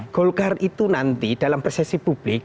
golkar itu nanti dalam persepsi publik